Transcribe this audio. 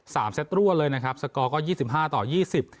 เซตรั่วเลยนะครับสกอร์ก็ยี่สิบห้าต่อยี่สิบ